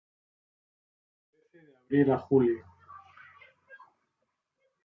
Florece de abril a julio.